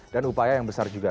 dan upaya yang besar juga